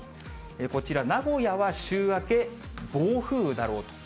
こちら名古屋は週明け、暴風雨だろうと。